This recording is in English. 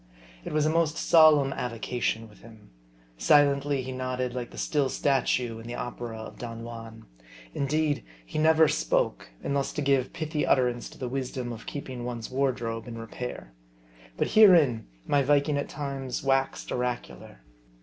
It was a most solemn avocation with him. Silently he nodded like the still statue in the opera of Don Juan. In deed he never spoke, unless to give pithy utterance to the wisdom of keeping one's wardrobe in repair. But herein my Viking at times waxed oracular.